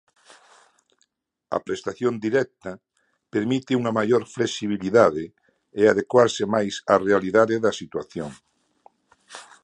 A prestación directa permite unha maior flexibilidade e adecuarse máis á realidade da situación.